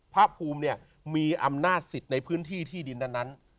พระภูมิเนี่ยมีอำนาจสิทธิ์ในพื้นที่ที่ดินนั้น